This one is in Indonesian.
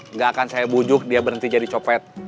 nggak akan saya bujuk dia berhenti jadi copet